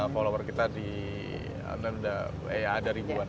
follower kita di online udah ada ribuan kayak gitu